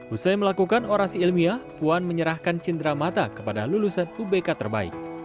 usai melakukan orasi ilmiah puan menyerahkan cindera mata kepada lulusan ubk terbaik